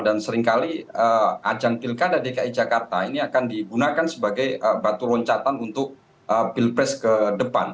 dan seringkali ajang pilkada dki jakarta ini akan digunakan sebagai batu loncatan untuk pilpres ke depan